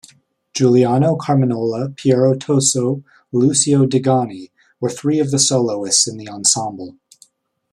Giuliano Carmignola, Piero Toso, Lucio Degani were three of the soloists in the ensemble.